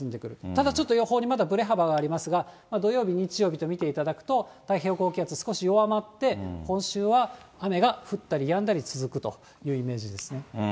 ただちょっとまだ予報にぶれ幅がありますが、土曜日、日曜日と見ていただくと、太平洋高気圧、少し弱まって、今週は雨が降ったりやんだり、続くというイメージですね。